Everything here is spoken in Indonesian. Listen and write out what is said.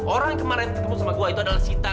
orang yang kemarin ketemu sama gue itu adalah sita